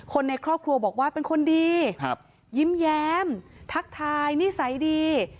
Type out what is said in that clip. คนในครอบครัวบอกว่าเป็นคนดียิ้มแย้มทักทายนิสัยดี